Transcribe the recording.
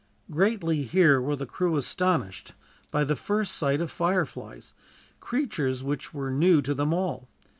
Greatly here were the crew astonished by the first sight of fireflies, creatures which were new to them all.